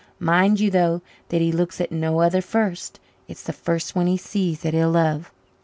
Mind you, though, that he looks at no other first it's the first one he sees that he'll love.